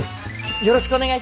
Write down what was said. よろしくお願いします。